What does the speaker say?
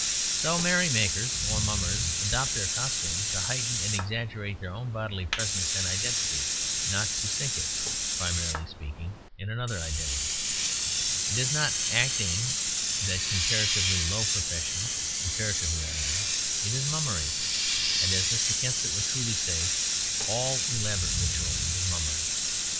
So merry makers (or Mummers) adopt their costume to heighten and exaggerate their own bodily presence and identity; not to sink it, primarily speaking, in another identity. It is not Acting that comparatively low profession—comparatively I mean. It is Mummery; and, as Mr. Kensit would truly say, all elaborate religious ritual is Mummery.